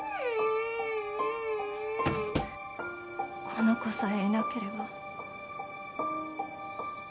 この子さえいなければ。